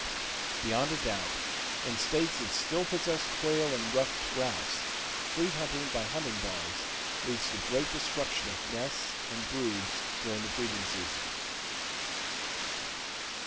Beyond a doubt, in states that still possess quail and ruffed grouse, free hunting by hunting dogs leads to great destruction of nests and broods during the breeding season.